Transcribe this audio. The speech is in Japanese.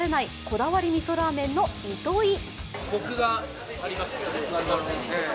こだわりみそラーメンのいと井。